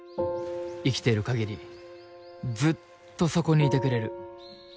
生きてる限りずっとそこにいてくれる。